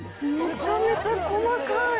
めちゃめちゃ細かい！